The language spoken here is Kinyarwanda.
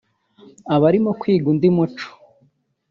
aba arimo kwiga undi muco